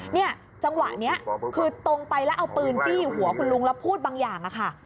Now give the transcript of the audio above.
เนี่ยจังหวะนี้คือตรงไปแล้วเอาปืนจี้หัวคุณลุงแล้วพูดบางอย่างค่ะ